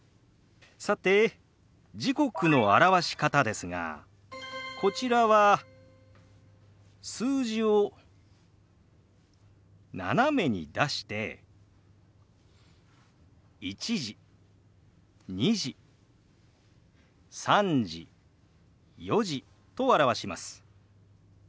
さて時刻の表し方ですがこちらは数字を斜めに出して「１時」「２時」「３時」「４時」と表します。